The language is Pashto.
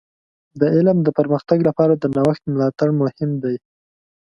د علم د پرمختګ لپاره د نوښت ملاتړ مهم دی.